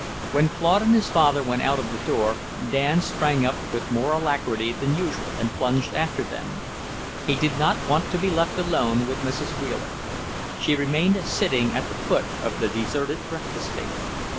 When Claude and his father went out of the door, Dan sprang up with more alacrity than usual and plunged after them. He did not want to be left alone with Mrs. Wheeler. She remained sitting at the foot of the deserted breakfast table.